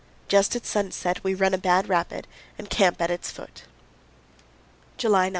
Just at sunset we run a bad rapid and camp at its foot. July 9.